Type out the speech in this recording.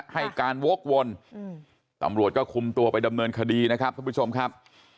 ให้การวกวนตำรวจก็คุมตัวไปดำเนินคดีนะครับทุกผู้ชมครับ